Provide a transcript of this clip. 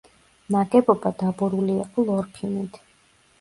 ნაგებობა დაბურული იყო ლორფინით.